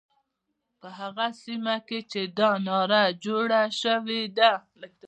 په هغه سیمه کې چې دا ناره جوړه شوې ده.